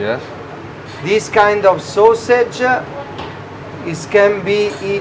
ใต้จุดต่อตอนอะไร